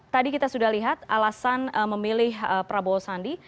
tadi kita sudah lihat alasan memilih prabowo sandi